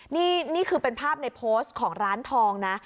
นี่คือเป็นภาพในโพสต์ของร้านทองนะ